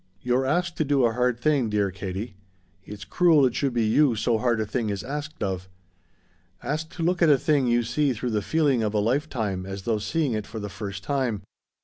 "You're asked to do a hard thing, dear Katie. It's cruel it should be you so hard a thing is asked of. Asked to look at a thing you see through the feeling of a lifetime as though seeing it for the first time.